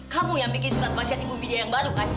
kamu yang bikin surat pasien ibu bidia yang baru kan